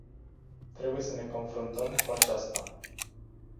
Trebuie să ne confruntăm cu aceasta.